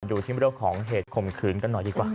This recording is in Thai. ดูที่เรื่องของเหตุข่มขืนกันหน่อยดีกว่า